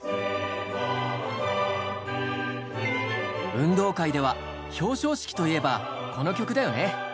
運動会では表彰式といえばこの曲だよね。